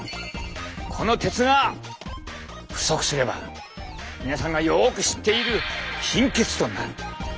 この鉄が不足すれば皆さんがよく知っている貧血となる。